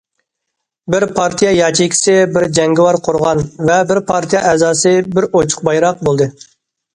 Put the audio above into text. بىر پارتىيە ياچېيكىسى بىر جەڭگىۋار قورغان ۋە بىر پارتىيە ئەزاسى بىر ئوچۇق بايراق بولدى.